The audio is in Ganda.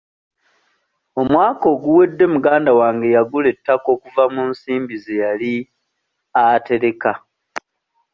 Omwaka oguwedde muganda wange yagula ettaka okuva mu nsimbi ze yali atereka.